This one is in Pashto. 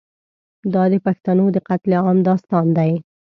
دا د پښتنو د قتل عام داستان دی.